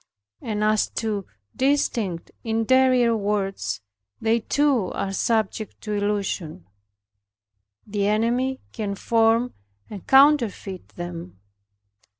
And as to distinct interior words, they too are subject to illusion; the enemy can form and counterfeit them.